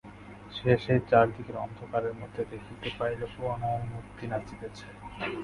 সে সেই চারিদিকের অন্ধকারের মধ্যে দেখিতে পাইল, প্রলয়ের মূর্তি নাচিতেছে।